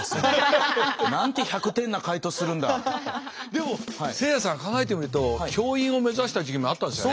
でもせいやさん考えてみると教員を目指した時期もあったんですよね？